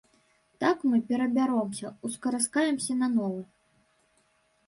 Так, мы перабяромся, ускараскаемся на новы.